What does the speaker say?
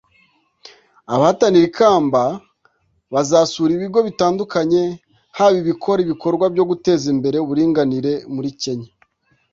Abahatanira ikamba bazasura ibigo bitandukanye haba ibikora ibikorwa byo guteza imbere uburinganire muri Kenya